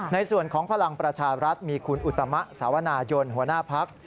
ในส่วนของพลังประชารัฐมีคุณอุตมะสาวนายนหัวหน้าพัก